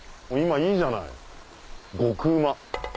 今いいじゃない「極旨！」。